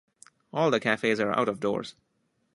All the cafes are out of doors.